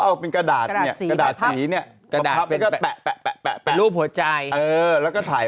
เอาเป็นกระดาษเนี่ยกระดาษสีเนี่ยเป็นรูปหัวใจแล้วก็ถ่าย